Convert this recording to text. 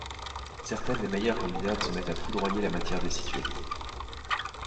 Certaines des meilleures candidates se mettent à foudroyer la matière destituée.